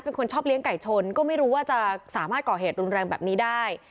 เป็นคนชอบเลี้ยงไก่ชนก็ไม่รู้ว่าจะสามารถก่อเหตุรุนแรงแบบนี้ได้